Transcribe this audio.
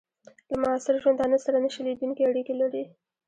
له معاصر ژوندانه سره نه شلېدونکي اړیکي لري.